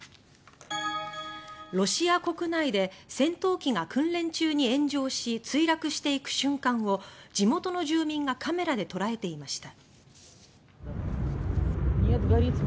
ロシア国内で戦闘機が訓練中に炎上し墜落していく瞬間を地元の住民がカメラで捉えていました。